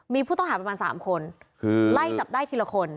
มีผู้ต้องหาประมาณ๓คนไล่จับได้ทีละคน